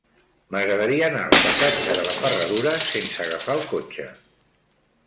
M'agradaria anar al passatge de la Ferradura sense agafar el cotxe.